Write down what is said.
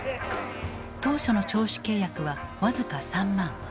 当初の聴取契約は僅か３万。